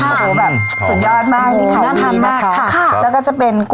โอ้โฮแบบสุดยอดมาก